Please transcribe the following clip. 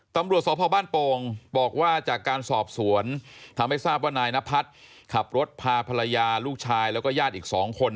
ตำรวจสพบ้านโป่งบอกว่าจากการสอบสวนทำให้ทราบว่านายนพัฒน์ขับรถพาภรรยาลูกชายแล้วก็ญาติอีก๒คน